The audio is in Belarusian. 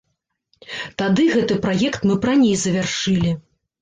Тады гэты праект мы б раней завяршылі.